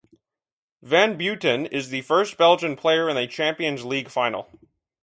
Van Buyten is the first Belgian player in a Champions League final.